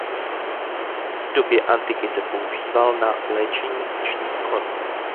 V době antiky se používal na léčení očních chorob.